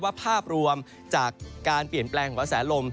ภาพรวมจากการเปลี่ยนแปลงของกระแสลม